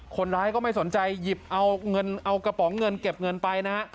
คนร้ายก็ไม่สนใจหยิบเอาเงินเอากระป๋องเงินเก็บเงินไปนะฮะ